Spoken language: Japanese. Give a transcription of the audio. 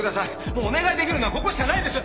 もうお願いできるのはここしかないんです